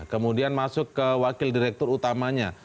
kemudian masuk ke wakil direktur utamanya